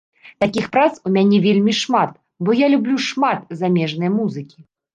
Такіх прац у мяне вельмі шмат, бо я люблю шмат замежнай музыкі.